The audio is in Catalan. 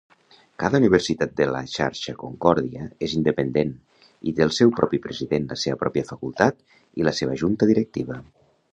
Cada universitat de la xarxa Concordia és independent i té el seu propi president, la seva pròpia facultat i la seva junta directiva.